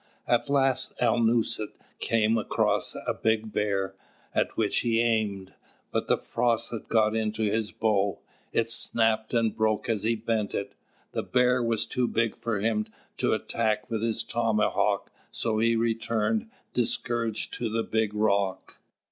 At last Alnūset came across a big Bear, at which he aimed; but the Frost had got into his bow, it snapped and broke as he bent it. The Bear was too big for him to attack with his tomahawk, so he returned discouraged to the Big Rock.